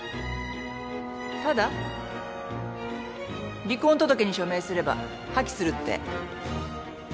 ただ離婚届に署名すれば破棄するって。